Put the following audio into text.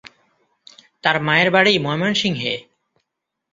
তার মায়ের বাড়ি ময়মনসিংহে।